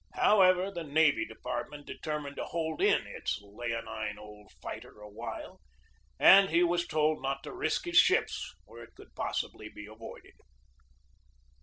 However, the Navy Department de termined to hold in its leonine old fighter a little, and he was told not to risk his ships where it could possibly be avoided.